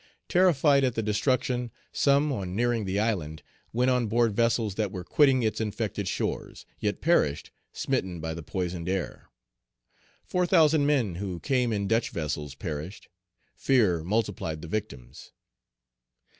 Terrified at the destruction, some, on nearing the island, went on board vessels that were quitting its infected shores, yet perished, smitten by the poisoned air. Four thousand men who came in Dutch vessels perished. Fear multiplied the victims.